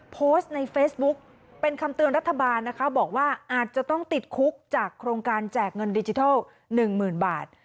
โพสต์ในเฟซบุ๊กเป็นคำเตือนรัฐบาลนะคะบอกว่าอาจจะต้องติดคุกจากโครงการแจกเงินดิจิทัล๑๐๐๐บาท